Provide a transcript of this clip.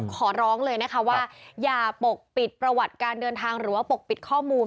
ขอร้องเลยนะคะว่าอย่าปกปิดประวัติการเดินทางหรือว่าปกปิดข้อมูล